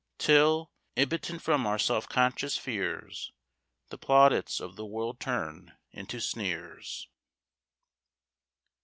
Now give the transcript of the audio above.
Till, impotent from our self conscious fears, The plaudits of the world turn into sneers.